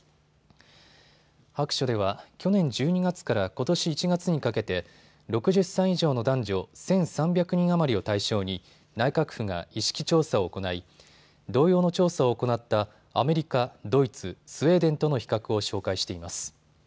白書では去年１２月からことし１月にかけて６０歳以上の男女１３００人余りを対象に内閣府が意識調査を行い同様の調査を行ったアメリカ、ドイツ、スウェーデンとの比較を紹介しています。